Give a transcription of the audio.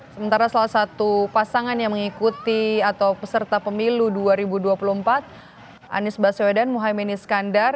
sementara salah satu pasangan yang mengikuti atau peserta pemilu dua ribu dua puluh empat anies baswedan muhaymin iskandar